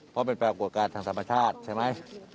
เพราะเป็นปรากฏการณ์ทางธรรมชาติใช่ไหม